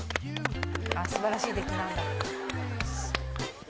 素晴らしい出来なんだ。